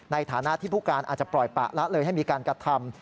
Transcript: ในฐานะที่ผู้การอาจจะปล่อยปะละเลยให้มีการกระทำ